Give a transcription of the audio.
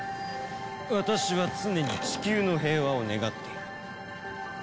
私は常にチキューの平和を願っている。